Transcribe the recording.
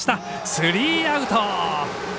スリーアウト。